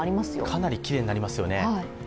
かなりきれいになりますよね。